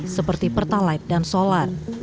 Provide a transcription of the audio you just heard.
seperti pertalite dan solar